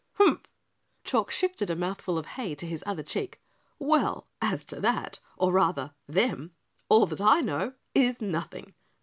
"Humph!" Chalk shifted a mouthful of hay to his other cheek. "Well, as to that, or rather them, all that I know is nothing.